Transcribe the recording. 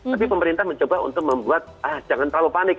tapi pemerintah mencoba untuk membuat jangan terlalu panik